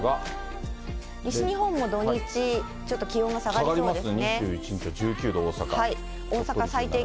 西日本も土日、ちょっと気温が下がりそうですね。